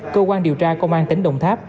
cơ quan điều tra công an tỉnh đồng tháp